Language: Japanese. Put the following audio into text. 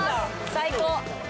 最高！